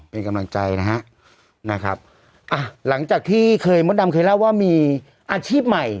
เป็นกำลังใจนะฮะนะครับอ่ะหลังจากที่เคยมดดำเคยเล่าว่ามีอาชีพใหม่